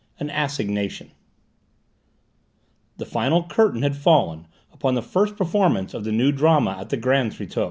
AN ASSIGNATION The final curtain had fallen upon the first performance of the new drama at the Grand Treteau.